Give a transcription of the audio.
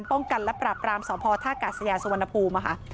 ป้องกันและปราบรามสพท่ากาศยาสุวรรณภูมิค่ะ